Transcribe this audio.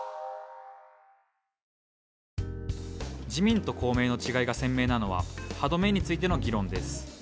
自民と公明の違いが鮮明なのは歯止めについての議論です。